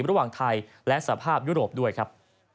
ระหว่างไทยและสภาพยุโรปด้วยครับ